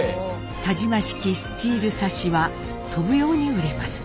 田島式スチールサッシは飛ぶように売れます。